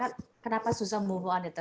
kenapa susah move on itu